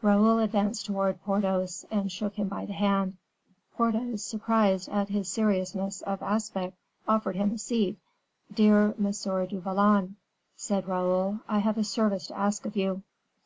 Raoul advanced towards Porthos, and shook him by the hand; Porthos, surprised at his seriousness of aspect, offered him a seat. "Dear M. du Vallon," said Raoul, "I have a service to ask of you."